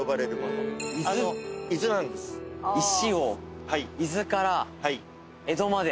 石を伊豆から江戸まで。